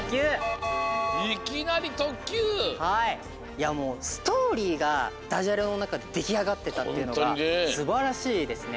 いやもうストーリーがダジャレのなかでできあがってたっていうのがすばらしいですね。